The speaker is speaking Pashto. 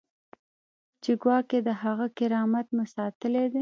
چې ګواکې د هغه کرامت مو ساتلی دی.